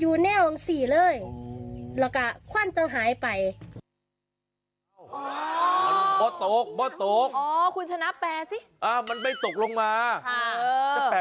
หรือคือแปลเพื่ออะไรฟังนะคะ